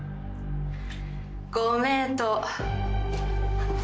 ご名答。